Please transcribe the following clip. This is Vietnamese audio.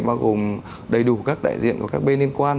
bao gồm đầy đủ các đại diện của các bên liên quan